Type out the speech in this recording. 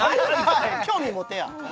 興味持てや！